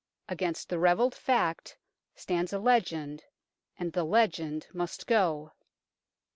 Against the revealed fact stands a legend, and the legend must go.